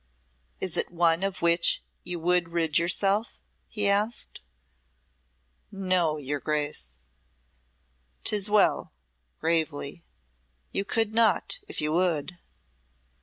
"Is it one of which you would rid yourself?" he asked. "No, your Grace." "Tis well," gravely, "You could not if you would."